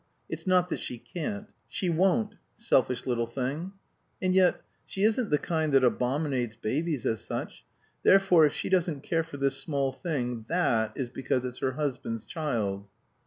It's not that she can't. She won't selfish little thing. And yet she isn't the kind that abominates babies, as such. Therefore if she doesn't care for this small thing, that is because it's her husband's child."